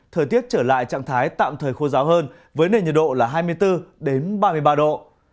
thời tiết trở lại trạng thái tạm thời khô giáo hơn với nền nhiệt độ là hai mươi bốn ba mươi ba độ